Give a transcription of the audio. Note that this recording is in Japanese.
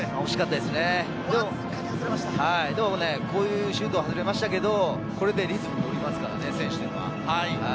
でも、こういうシュート外れましたけれど、リズムができますからね、選手には。